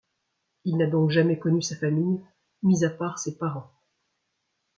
Il n'a donc jamais connu sa famille, mis à part ses parents.